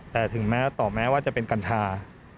แต่ถึงแม้ต่อแม้ว่าจะเป็นกัญชา